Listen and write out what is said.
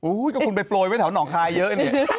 โว้ยก็คุณไปโปรยไว้แถวห่องคลายเยอะ